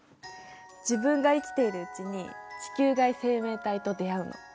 自分が生きているうちに地球外生命体と出会うの。